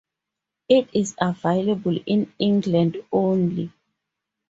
It is available in England only.